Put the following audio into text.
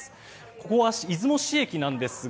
ここは出雲市駅なんですが